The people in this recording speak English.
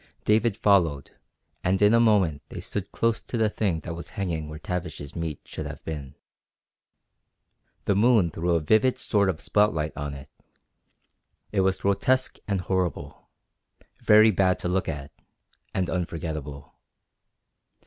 David followed, and in a moment they stood close to the thing that was hanging where Tavish's meat should have been. The moon threw a vivid sort of spotlight on it. It was grotesque and horrible very bad to look at, and unforgettable.